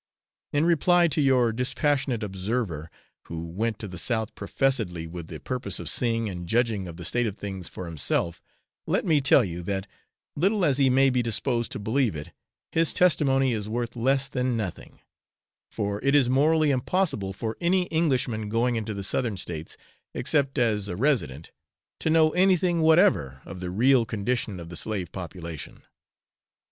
In reply to your 'Dispassionate Observer,' who went to the South professedly with the purpose of seeing and judging of the state of things for himself, let me tell you that, little as he may be disposed to believe it, his testimony is worth less than nothing; for it is morally impossible for any Englishman going into the Southern States, except as a resident, to know anything whatever of the real condition of the slave population.